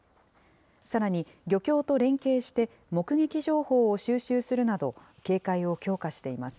さらに、漁協と連携して、目撃情報を収集するなど、警戒を強化しています。